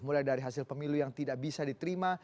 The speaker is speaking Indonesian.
mulai dari hasil pemilu yang tidak bisa diterima